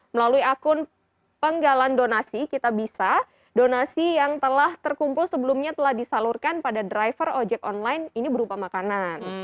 melalui akun penggalan donasi kita bisa donasi yang telah terkumpul sebelumnya telah disalurkan pada driver ojek online ini berupa makanan